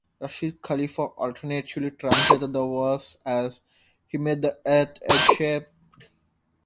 Rashad Khalifa alternatively translated the verse as: he made the earth egg-shaped.